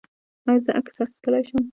ایا زه عکس اخیستلی شم؟